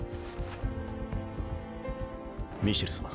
ミシェル様。